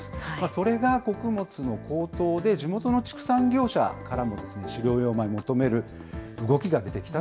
それが穀物の高騰で、地元の畜産業者からも飼料用米を求める動き